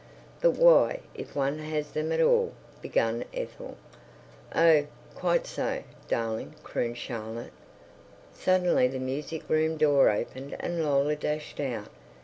"But why, if one has them at all...." began Ethel. "Oh, quite so, darling," crooned Charlotte. Suddenly the music room door opened and Lola dashed out.